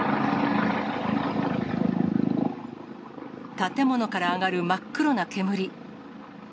建物から上がる真っ黒な煙。